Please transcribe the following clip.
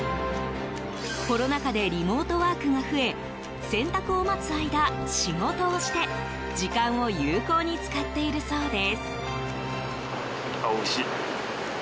コロナ禍でリモートワークが増え洗濯を待つ間仕事をして、時間を有効に使っているそうです。